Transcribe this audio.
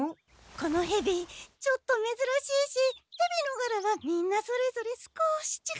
このヘビちょっとめずらしいしヘビのがらはみんなそれぞれ少しちがうんだ。